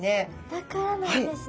だからなんですね。